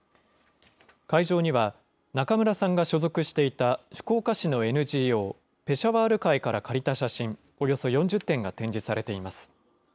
会場には、中村さんが所属していた福岡市のＮＧＯペシャワール会から借りた写真およそ４０点が展示されています。